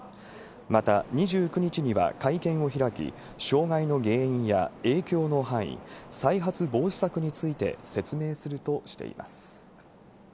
また、２９日には会見を開き、障害の原因や影響の範囲、再発防止策について説明するとしています。